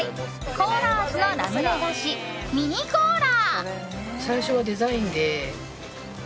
コーラ味のラムネ菓子ミニコーラ。